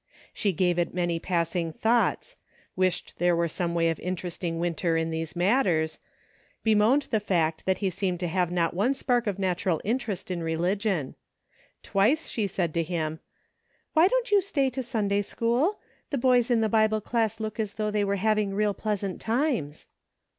She gave it many passing thoughts ; wished there were some way of interesting Winter in these matters ; bemoaned the fact that he seemed to have not one spark of natural interest in relig ion. Twice she said to him : "Why don't you stay to Sunday school. ' The boys in the Bible class look as though they were having real pleasant times."